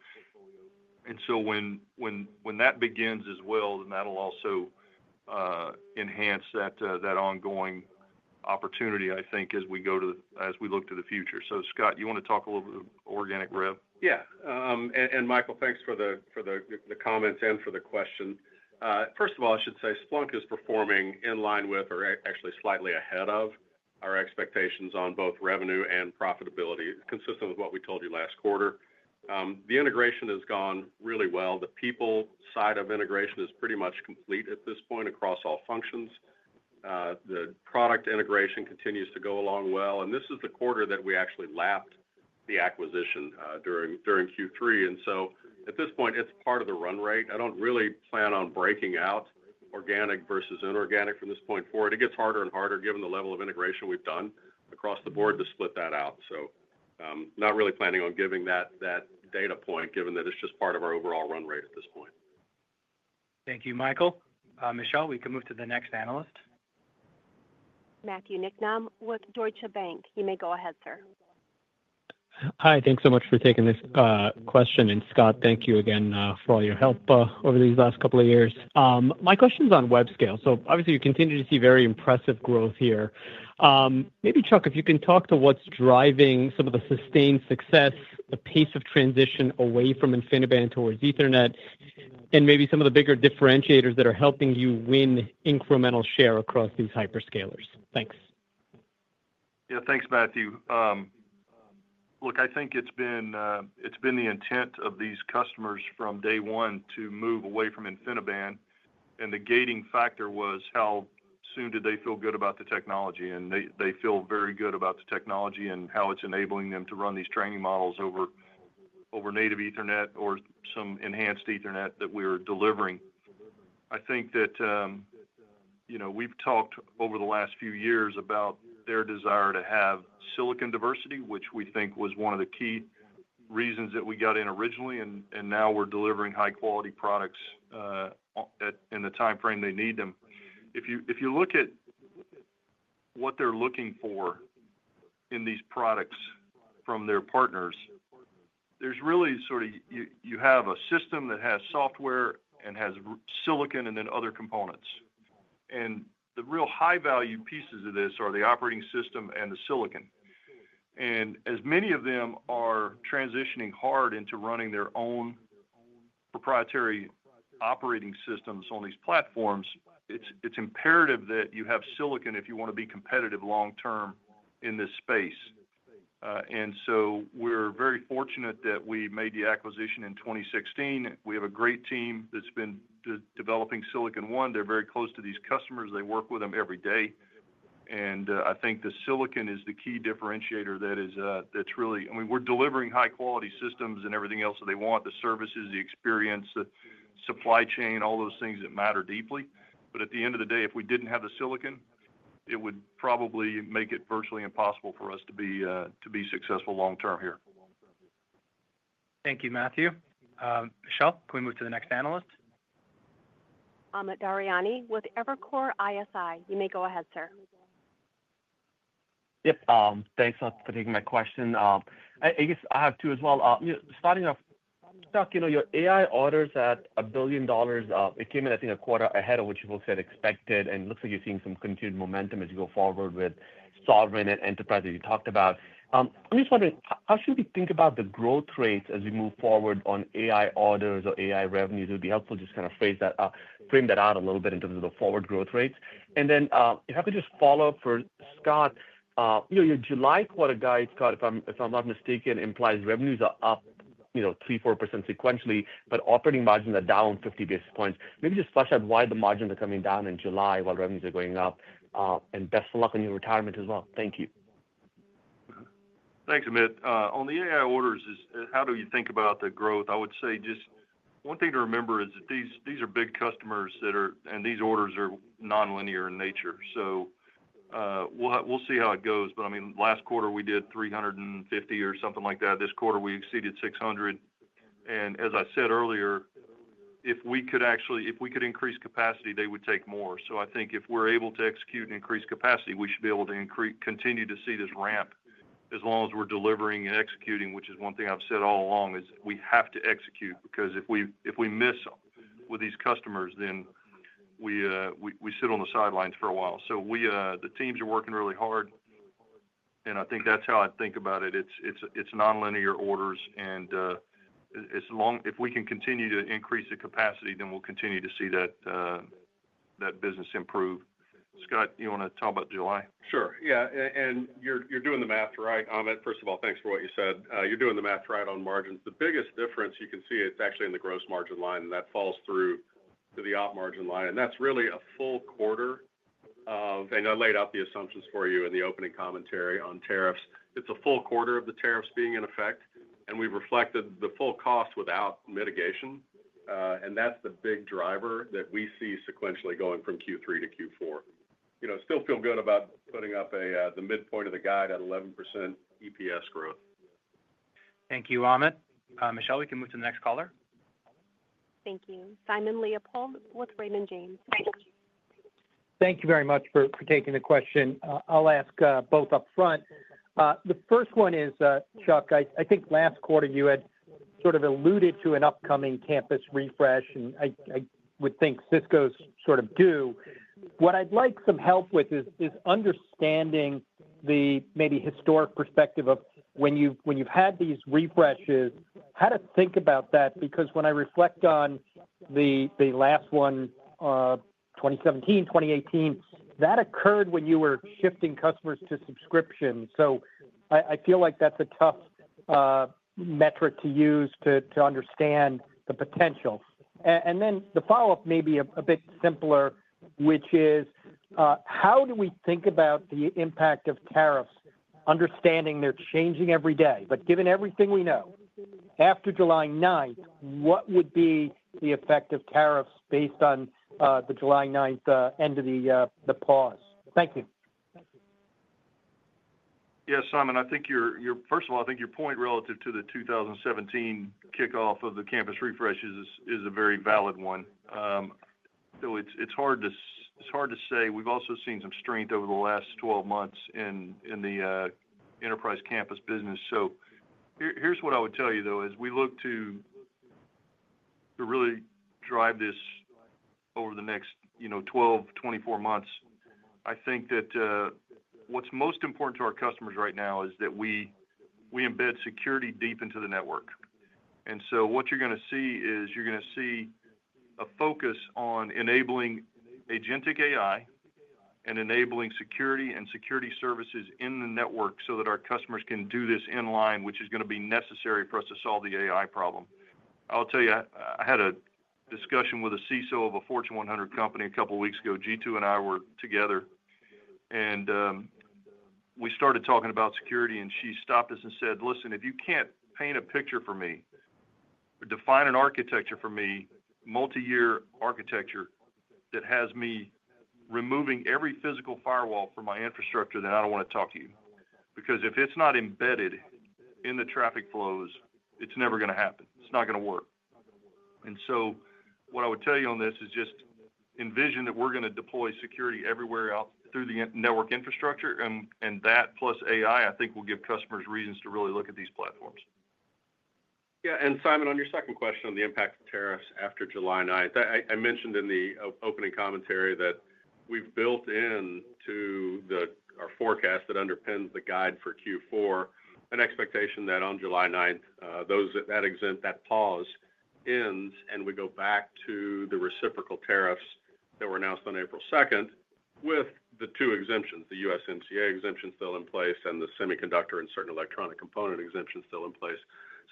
When that begins as well, that'll also enhance that ongoing opportunity, I think, as we look to the future. Scott, you want to talk a little bit of organic rev? Yeah. And Michael, thanks for the comments and for the question. First of all, I should say Splunk is performing in line with, or actually slightly ahead of, our expectations on both revenue and profitability, consistent with what we told you last quarter. The integration has gone really well. The people side of integration is pretty much complete at this point across all functions. The product integration continues to go along well. This is the quarter that we actually lapped the acquisition during Q3. At this point, it's part of the run rate. I don't really plan on breaking out organic versus inorganic from this point forward. It gets harder and harder given the level of integration we've done across the board to split that out. Not really planning on giving that data point, given that it's just part of our overall run rate at this point. Thank you, Michael. Michelle, we can move to the next analyst. Matthew Niknam with Deutsche Bank. You may go ahead, sir. Hi. Thanks so much for taking this question. And Scott, thank you again for all your help over these last couple of years. My question's on web-scale. Obviously, you continue to see very impressive growth here. Maybe, Chuck, if you can talk to what's driving some of the sustained success, the pace of transition away from InfiniBand towards Ethernet, and maybe some of the bigger differentiators that are helping you win incremental share across these hyperscalers. Thanks. Yeah, thanks, Matthew. Look, I think it's been the intent of these customers from day one to move away from InfiniBand. The gating factor was how soon did they feel good about the technology. They feel very good about the technology and how it's enabling them to run these training models over native Ethernet or some enhanced Ethernet that we're delivering. I think that we've talked over the last few years about their desire to have silicon diversity, which we think was one of the key reasons that we got in originally. Now we're delivering high-quality products in the time frame they need them. If you look at what they're looking for in these products from their partners, there's really sort of you have a system that has software and has silicon and then other components. The real high-value pieces of this are the operating system and the silicon. As many of them are transitioning hard into running their own proprietary operating systems on these platforms, it's imperative that you have silicon if you want to be competitive long-term in this space. We are very fortunate that we made the acquisition in 2016. We have a great team that's been developing Silicon One. They're very close to these customers. They work with them every day. I think the silicon is the key differentiator that's really, I mean, we're delivering high-quality systems and everything else that they want: the services, the experience, the supply chain, all those things that matter deeply. At the end of the day, if we didn't have the silicon, it would probably make it virtually impossible for us to be successful long-term here. Thank you, Matthew. Michelle, can we move to the next analyst? Amit Daryanani with Evercore ISI. You may go ahead, sir. Yep. Thanks for taking my question. I guess I have two as well. Starting off, Chuck, your AI orders at a billion dollars, it came in, I think, a quarter ahead of what you folks had expected. It looks like you're seeing some continued momentum as you go forward with Sovereign and Enterprise that you talked about. I'm just wondering, how should we think about the growth rates as we move forward on AI orders or AI revenues? It would be helpful to just kind of frame that out a little bit in terms of the forward growth rates. If I could just follow up for Scott, your July quarter guide, Scott, if I'm not mistaken, implies revenues are up 3%-4% sequentially, but operating margins are down 50 basis points. Maybe just flesh out why the margins are coming down in July while revenues are going up. Best of luck on your retirement as well. Thank you. Thanks, Amit. On the AI orders, how do you think about the growth? I would say just one thing to remember is that these are big customers and these orders are non-linear in nature. We will see how it goes. I mean, last quarter, we did 350 or something like that. This quarter, we exceeded 600. As I said earlier, if we could increase capacity, they would take more. I think if we're able to execute and increase capacity, we should be able to continue to see this ramp as long as we're delivering and executing, which is one thing I've said all along is we have to execute because if we miss with these customers, then we sit on the sidelines for a while. The teams are working really hard. I think that's how I think about it. It's non-linear orders. If we can continue to increase the capacity, then we'll continue to see that business improve. Scott, you want to talk about July? Sure. Yeah. You're doing the math right. Amit, first of all, thanks for what you said. You're doing the math right on margins. The biggest difference you can see, it's actually in the gross margin line, and that falls through to the op margin line. That is really a full quarter of—I laid out the assumptions for you in the opening commentary on tariffs. It is a full quarter of the tariffs being in effect. We have reflected the full cost without mitigation. That is the big driver that we see sequentially going from Q3 to Q4. Still feel good about putting up the midpoint of the guide at 11% EPS growth. Thank you, Amit. Michelle, we can move to the next caller. Thank you. Simon Leopold with Raymond James. Thank you. Thank you very much for taking the question. I will ask both upfront. The first one is, Chuck, I think last quarter you had sort of alluded to an upcoming campus refresh, and I would think Cisco is sort of due. What I would like some help with is understanding the maybe historic perspective of when you have had these refreshes, how to think about that. Because when I reflect on the last one, 2017, 2018, that occurred when you were shifting customers to subscription. I feel like that's a tough metric to use to understand the potential. The follow-up may be a bit simpler, which is how do we think about the impact of tariffs, understanding they're changing every day? Given everything we know, after July 9th, what would be the effect of tariffs based on the July 9th end of the pause? Thank you. Yes, Simon. I think, first of all, I think your point relative to the 2017 kickoff of the campus refreshes is a very valid one. It's hard to say. We've also seen some strength over the last 12 months in the enterprise campus business. Here's what I would tell you, though, as we look to really drive this over the next 12, 24 months. I think that what's most important to our customers right now is that we embed security deep into the network. What you're going to see is you're going to see a focus on enabling agentic AI and enabling security and security services in the network so that our customers can do this in line, which is going to be necessary for us to solve the AI problem. I'll tell you, I had a discussion with a CISO of a Fortune 100 company a couple of weeks ago. Jeetu and I were together. We started talking about security, and she stopped us and said, "Listen, if you can't paint a picture for me, define an architecture for me, multi-year architecture that has me removing every physical firewall from my infrastructure, then I don't want to talk to you. Because if it's not embedded in the traffic flows, it's never going to happen. It's not going to work." What I would tell you on this is just envision that we're going to deploy security everywhere out through the network infrastructure. That plus AI, I think, will give customers reasons to really look at these platforms. Yeah. Simon, on your second question on the impact of tariffs after July 9th, I mentioned in the opening commentary that we've built into our forecast that underpins the guide for Q4 an expectation that on July 9th, that pause ends, and we go back to the reciprocal tariffs that were announced on April 2nd with the two exemptions, the USMCA exemption still in place and the semiconductor and certain electronic component exemption still in place.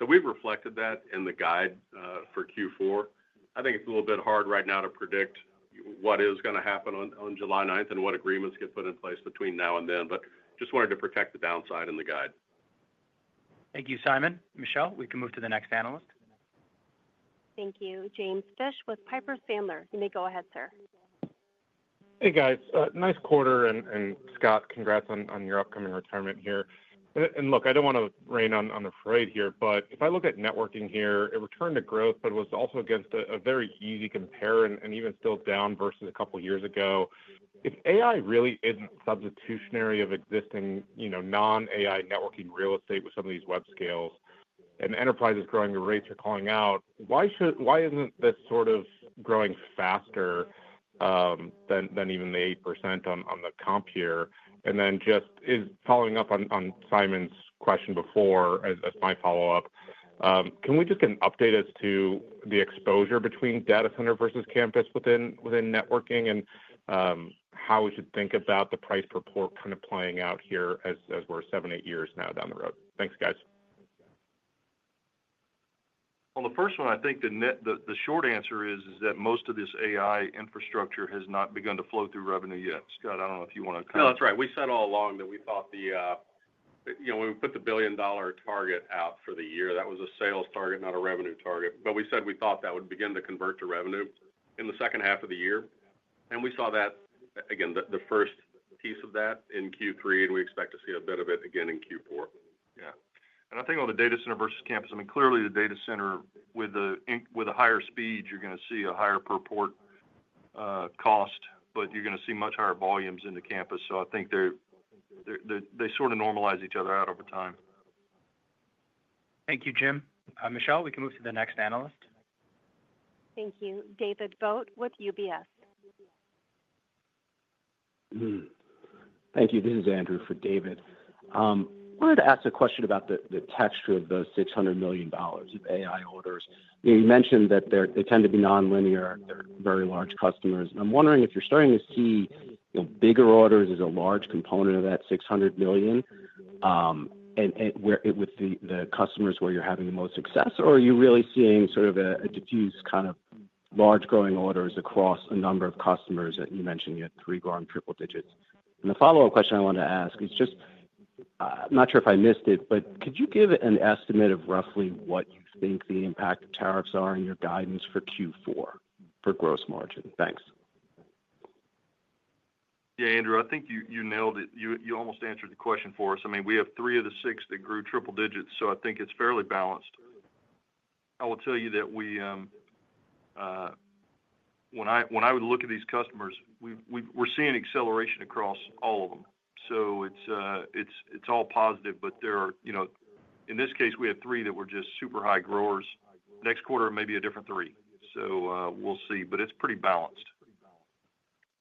We have reflected that in the guide for Q4. I think it's a little bit hard right now to predict what is going to happen on July 9th and what agreements get put in place between now and then. Just wanted to protect the downside in the guide. Thank you, Simon. Michelle, we can move to the next analyst. Thank you. Jim Fish with Piper Sandler. You may go ahead, sir. Hey guys. Nice quarter. Scott, congrats on your upcoming retirement here. Look, I do not want to rain on the parade here, but if I look at networking here, it returned to growth, but it was also against a very easy compare and even still down versus a couple of years ago. If AI really is not substitutionary of existing non-AI networking real estate with some of these web-scales and enterprises growing and rates are calling out, why is this sort of growing faster than even the 8% on the comp here? Just following up on Simon's question before, as my follow-up, can we just get an update as to the exposure between data center versus campus within networking and how we should think about the price per port kind of playing out here as we are seven, eight years now down the road? Thanks, guys. On the first one, I think the short answer is that most of this AI infrastructure has not begun to flow through revenue yet. Scott, I don't know if you want to comment. No, that's right. We said all along that we thought when we put the billion-dollar target out for the year, that was a sales target, not a revenue target. We said we thought that would begin to convert to revenue in the second half of the year. We saw that, again, the first piece of that in Q3, and we expect to see a bit of it again in Q4. Yeah. I think on the data center versus campus, I mean, clearly the data center with a higher speed, you're going to see a higher per port cost, but you're going to see much higher volumes in the campus. I think they sort of normalize each other out over time. Thank you, Jim. Michelle, we can move to the next analyst. Thank you. David Vogt with UBS. Thank you. This is Andrew for David. I wanted to ask a question about the texture of those $600 million of AI orders. You mentioned that they tend to be non-linear. They're very large customers. I'm wondering if you're starting to see bigger orders as a large component of that $600 million with the customers where you're having the most success, or are you really seeing sort of a diffuse kind of large growing orders across a number of customers that you mentioned you had three-quarter and triple digits? The follow-up question I wanted to ask is just, I'm not sure if I missed it, but could you give an estimate of roughly what you think the impact of tariffs are in your guidance for Q4 for gross margin? Thanks. Yeah, Andrew, I think you nailed it. You almost answered the question for us. I mean, we have three of the six that grew triple digits, so I think it's fairly balanced. I will tell you that when I would look at these customers, we're seeing acceleration across all of them. It's all positive, but in this case, we had three that were just super high growers. Next quarter, maybe a different three. We'll see. It's pretty balanced.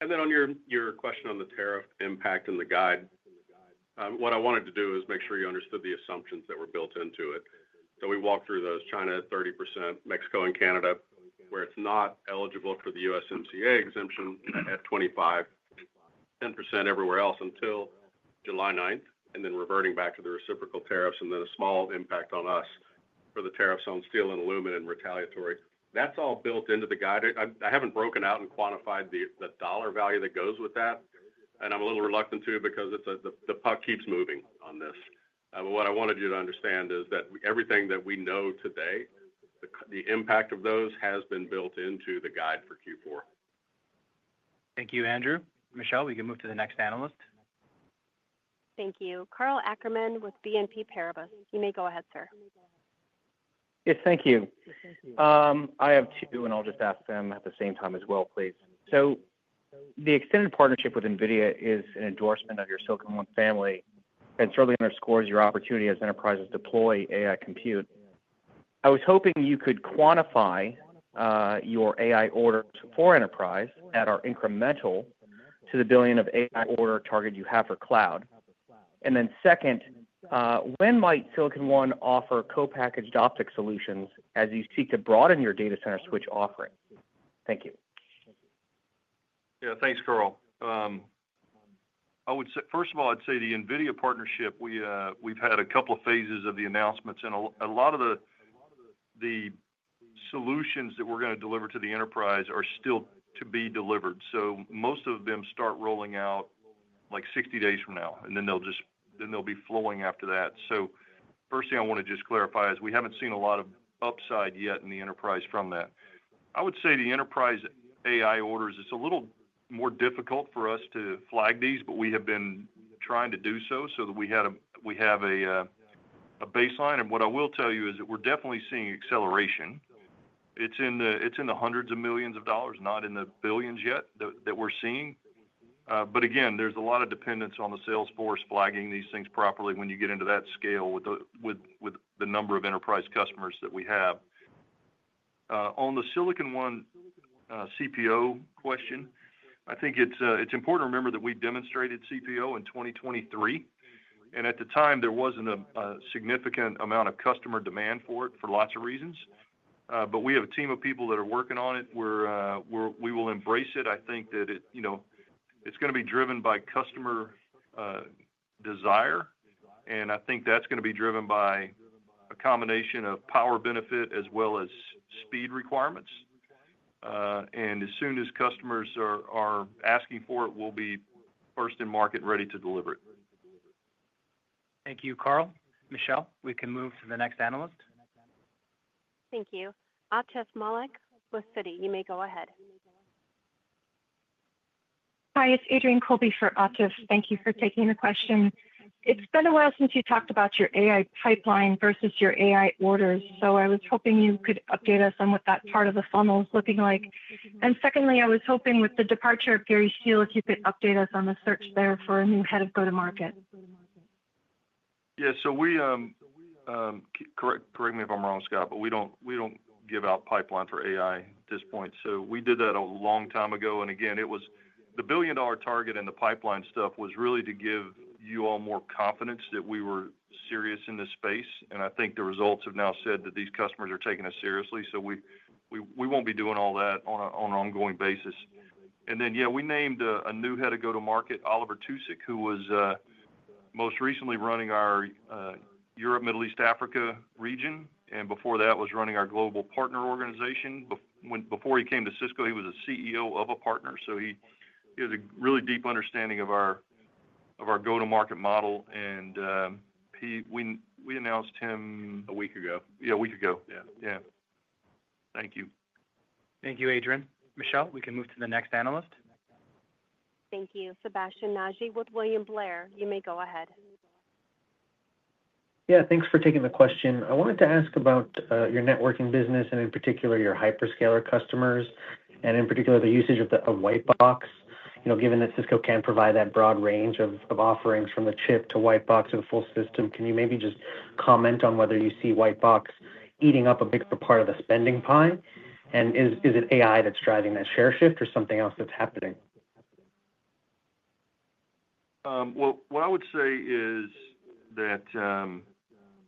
On your question on the tariff impact in the guide, what I wanted to do is make sure you understood the assumptions that were built into it. We walked through those: China at 30%, Mexico and Canada, where it is not eligible for the USMCA exemption at 25%, 10% everywhere else until July 9, and then reverting back to the reciprocal tariffs, and then a small impact on us for the tariffs on steel and aluminum retaliatory. That is all built into the guide. I have not broken out and quantified the dollar value that goes with that. I am a little reluctant to because the puck keeps moving on this. What I wanted you to understand is that everything that we know today, the impact of those has been built into the guide for Q4. Thank you, Andrew. Michelle, we can move to the next analyst. Thank you. Karl Ackerman with BNP Paribas. You may go ahead, sir. Yes, thank you. I have two, and I'll just ask them at the same time as well, please. The extended partnership with NVIDIA is an endorsement of your Silicon One family and certainly underscores your opportunity as enterprises deploy AI compute. I was hoping you could quantify your AI orders for enterprise that are incremental to the billion of AI order target you have for cloud. Second, when might Silicon One offer co-packaged optic solutions as you seek to broaden your data center switch offering? Thank you. Yeah, thanks, Karl. First of all, I'd say the NVIDIA partnership, we've had a couple of phases of the announcements, and a lot of the solutions that we're going to deliver to the enterprise are still to be delivered. Most of them start rolling out like 60 days from now, and then they'll be flowing after that. The first thing I want to just clarify is we haven't seen a lot of upside yet in the enterprise from that. I would say the enterprise AI orders, it's a little more difficult for us to flag these, but we have been trying to do so so that we have a baseline. What I will tell you is that we're definitely seeing acceleration. It's in the hundreds of millions of dollars, not in the billions yet that we're seeing. Again, there's a lot of dependence on the Salesforce flagging these things properly when you get into that scale with the number of enterprise customers that we have. On the Silicon One CPO question, I think it's important to remember that we demonstrated CPO in 2023. At the time, there was not a significant amount of customer demand for it for lots of reasons. We have a team of people that are working on it. We will embrace it. I think that it is going to be driven by customer desire. I think that is going to be driven by a combination of power benefit as well as speed requirements. As soon as customers are asking for it, we will be first in market ready to deliver it. Thank you, Karl. Michelle, we can move to the next analyst. Thank you. Atif Malik with Citi. You may go ahead. Hi, it is Adrienne Colby for Atif. Thank you for taking the question. It has been a while since you talked about your AI pipeline versus your AI orders. I was hoping you could update us on what that part of the funnel is looking like. Secondly, I was hoping with the departure of Gary Steele, if you could update us on the search there for a new head of go-to-market. Yeah, we—correct me if I'm wrong, Scott—but we do not give out pipeline for AI at this point. We did that a long time ago. The billion-dollar target and the pipeline stuff was really to give you all more confidence that we were serious in this space. I think the results have now said that these customers are taking us seriously. We will not be doing all that on an ongoing basis. Yeah, we named a new head of go-to-market, Oliver Tusek, who was most recently running our Europe, Middle East, Africa region. Before that, he was running our global partner organization. Before he came to Cisco, he was a CEO of a partner. He has a really deep understanding of our go-to-market model. We announced him a week ago. Yeah, a week ago. Thank you. Thank you, Adrienne. Michelle, we can move to the next analyst. Thank you. Sebastien Naji with William Blair. You may go ahead. Yeah, thanks for taking the question. I wanted to ask about your networking business and, in particular, your hyperscaler customers and, in particular, the usage of White Box. Given that Cisco can provide that broad range of offerings from the chip to White Box to the full system, can you maybe just comment on whether you see White Box eating up a bigger part of the spending pie? Is it AI that's driving that share shift or something else that's happening?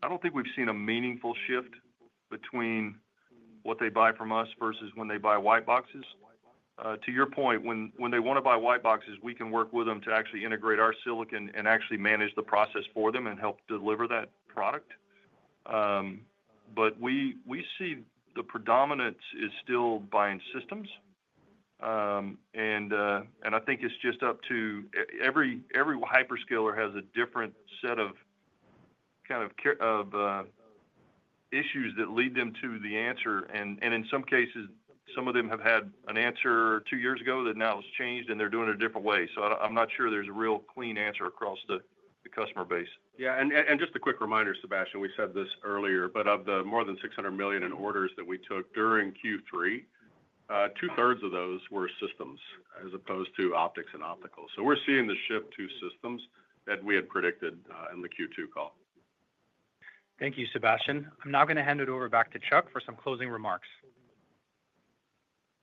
I don't think we've seen a meaningful shift between what they buy from us versus when they buy White Boxes. To your point, when they want to buy White Boxes, we can work with them to actually integrate our silicon and actually manage the process for them and help deliver that product. We see the predominance is still buying systems. I think it's just up to every hyperscaler, as each has a different set of kind of issues that lead them to the answer. In some cases, some of them had an answer two years ago that now has changed, and they're doing it a different way. I'm not sure there's a real clean answer across the customer base. Yeah. Just a quick reminder, Sebastien, we said this earlier, but of the more than $600 million in orders that we took during Q3, 2/3 of those were systems as opposed to optics and optical. We are seeing the shift to systems that we had predicted in the Q2 call. Thank you, Sebastien. I am now going to hand it over back to Chuck for some closing remarks.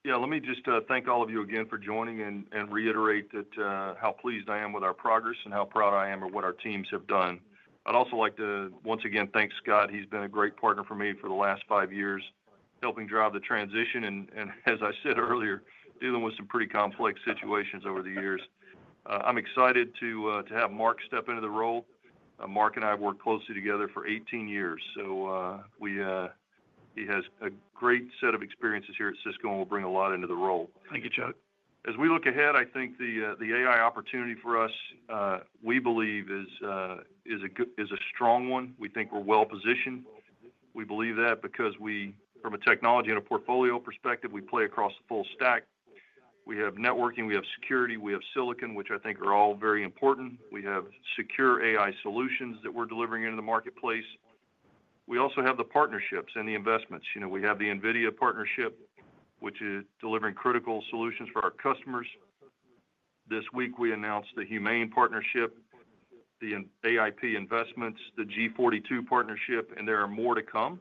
Yeah, let me just thank all of you again for joining and reiterate how pleased I am with our progress and how proud I am of what our teams have done. I would also like to once again thank Scott. He has been a great partner for me for the last five years, helping drive the transition and, as I said earlier, dealing with some pretty complex situations over the years. I am excited to have Mark step into the role. Mark and I have worked closely together for 18 years. He has a great set of experiences here at Cisco and will bring a lot into the role. Thank you, Chuck. As we look ahead, I think the AI opportunity for us, we believe, is a strong one. We think we're well-positioned. We believe that because from a technology and a portfolio perspective, we play across the full stack. We have networking. We have security. We have silicon, which I think are all very important. We have secure AI solutions that we're delivering into the marketplace. We also have the partnerships and the investments. We have the NVIDIA partnership, which is delivering critical solutions for our customers. This week, we announced the HUMAIN partnership, the AI investments, the G42 partnership, and there are more to come.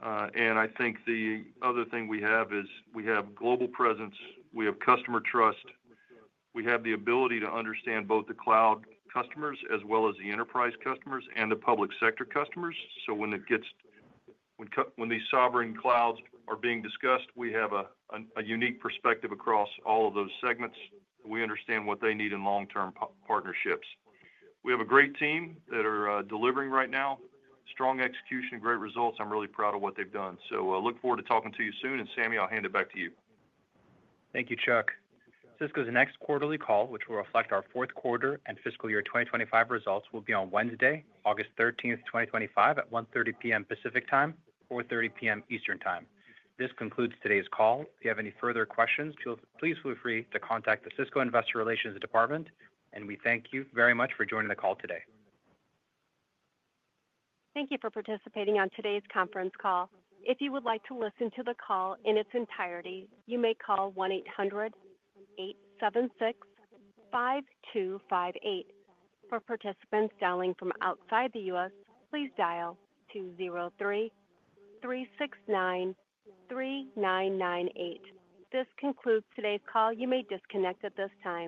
I think the other thing we have is we have global presence. We have customer trust. We have the ability to understand both the cloud customers as well as the enterprise customers and the public sector customers. When these sovereign clouds are being discussed, we have a unique perspective across all of those segments. We understand what they need in long-term partnerships. We have a great team that are delivering right now, strong execution, great results. I'm really proud of what they've done. I look forward to talking to you soon. Sami, I'll hand it back to you. Thank you, Chuck. Cisco's next quarterly call, which will reflect our fourth quarter and fiscal year 2025 results, will be on Wednesday, August 13th, 2025, at 1:30 P.M. Pacific Time, 4:30 P.M. Eastern Time. This concludes today's call. If you have any further questions, please feel free to contact the Cisco Investor Relations Department. We thank you very much for joining the call today. Thank you for participating on today's conference call. If you would like to listen to the call in its entirety, you may call 1-800-876-5258. For participants dialing from outside the U.S., please dial 203-369-3998. This concludes today's call. You may disconnect at this time.